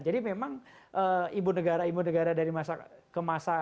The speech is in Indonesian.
jadi memang ibu negara ibu negara dari masa kemasa